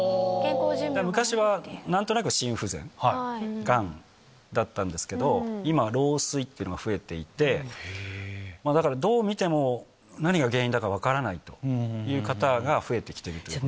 昔はなんとなく心不全、がんだったんですけど、今は老衰ってのが増えていて、だから、どう見ても何か原因だか分からないという方が増えてきているという。